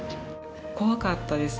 怖かったです。